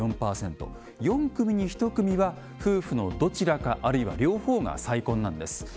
４組に１組は夫婦のどちらかあるいは両方が再婚なんです。